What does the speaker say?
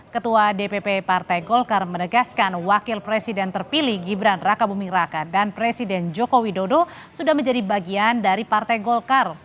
ketua dpp partai golkar menegaskan wakil presiden terpilih gibran raka buming raka dan presiden joko widodo sudah menjadi bagian dari partai golkar